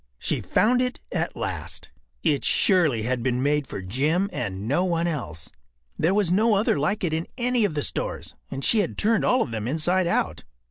She found it at last. It surely had been made for Jim and no one else. There was no other like it in any of the stores, and she had turned all of them inside out.